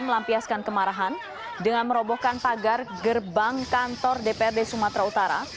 melampiaskan kemarahan dengan merobohkan pagar gerbang kantor dprd sumatera utara